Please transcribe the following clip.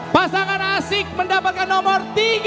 pasangan asik mendapatkan nomor tiga